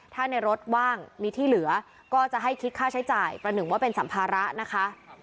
ถ้าในรถว่างมีที่เหลือก็จะให้คิดค่าใช้จ่ายประหนึ่งว่าเป็นสัมภาระนะคะ